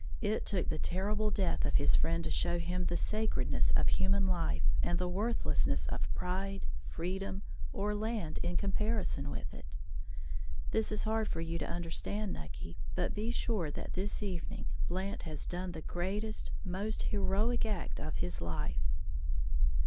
It took the terrible death of his friend to show him the sacredness of human life, and the worthlessness of pride, freedom, or land in comparison with it. This is hard for you to understand, Nucky; but be sure that this evening Blant has done the greatest, most heroic act of his life."